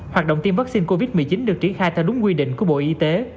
hoạt động tiêm vaccine covid một mươi chín được triển khai theo đúng quy định của bộ y tế